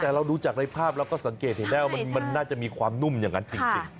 แต่เราดูจากในภาพเราก็สังเกตเห็นได้ว่ามันน่าจะมีความนุ่มอย่างนั้นจริง